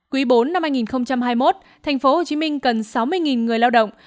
quý bốn năm hai nghìn hai mươi một tp hcm cần sáu mươi người lao động